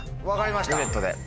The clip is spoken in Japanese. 分かりました。